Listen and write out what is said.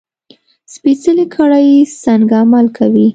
سپېڅلې کړۍ څنګه عمل کوي.